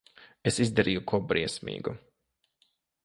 Es izdarīju ko briesmīgu.